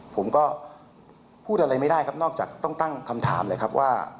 ผมก็พูดอะไรไม่ได้ครับนอกจากต้องตั้งคำถามเลยครับว่า